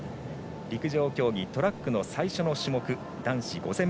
陸上競技トラックの最初の種目男子５０００